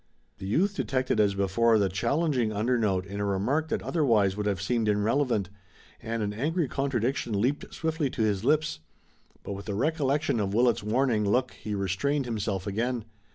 The youth detected as before the challenging under note in a remark that otherwise would have seemed irrelevant, and an angry contradiction leaped swiftly to his lips, but with the recollection of Willet's warning look he restrained himself again.